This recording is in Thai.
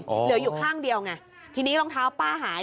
เหลืออยู่ข้างเดียวไงทีนี้รองเท้าป้าหาย